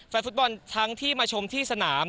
แฟนฟุตบอลทั้งที่มาชมที่สนาม